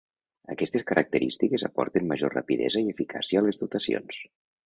Aquestes característiques aporten major rapidesa i eficàcia a les dotacions.